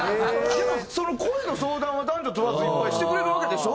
でもその恋の相談は男女問わずいっぱいしてくれるわけでしょ？